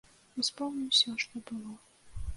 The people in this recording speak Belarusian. Успомніў усё, што было.